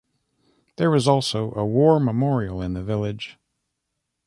There is also a war memorial in the village.